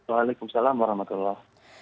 waalaikumsalam warahmatullahi wabarakatuh